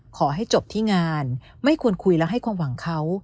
ขอให้จบที่งานไม่ควรคุยและให้ความหวังเขา